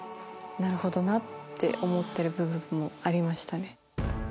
なるほどなって思ってる部分もありましたね。